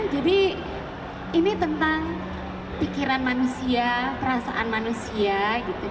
jadi ini tentang pikiran manusia perasaan manusia gitu